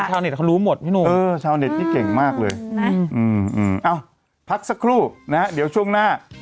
ชาวเน็ตเขารู้หมดพี่หนุ่มเออชาวเน็ตนี่เก่งมากเลยนะเอ้าพักสักครู่นะฮะเดี๋ยวช่วงหน้า